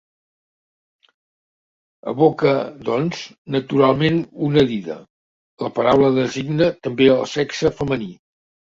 Evoca, doncs, naturalment una dida; la paraula designa també el sexe femení.